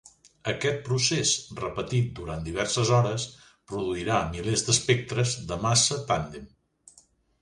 Aquest procés, repetit durant diverses hores, produirà milers d'espectres de massa tàndem.